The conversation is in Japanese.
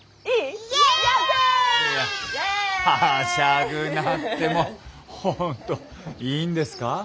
いいんですが？